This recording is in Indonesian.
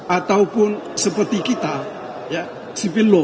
ataupun seperti kita civil law